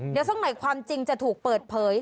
เดี๋ยวสักหน่อยความจริงจะถูกเปิดเผย